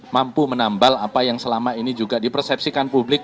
mampu menambal apa yang selama ini juga dipersepsikan publik